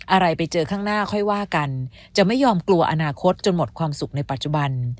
อะไรไปเจอข้างหน้าค่อยว่ากันจะไม่ยอมกลัวอนาคตจนหมดความสุขในปัจจุบัน